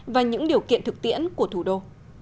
và những điều kiện thực tiễn của thủ đô